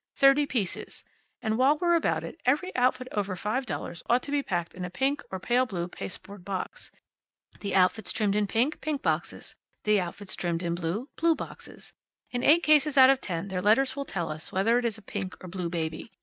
Thirty pieces. And while we're about it, every outfit over five dollars ought to be packed in a pink or a pale blue pasteboard box. The outfits trimmed in pink, pink boxes; the outfits trimmed in blue, blue boxes. In eight cases out of ten their letters will tell us whether it's a pink or blue baby.